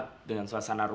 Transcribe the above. terima kasih ya ma